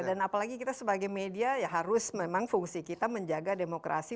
dan apalagi kita sebagai media ya harus memang fungsi kita menjaga demokrasi